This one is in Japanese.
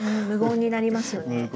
無言になりますよ。